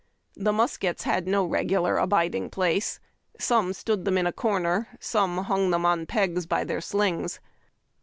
The muskets had no regular abiding place. Some stood them in a corner, some hung them on pegs by the slings.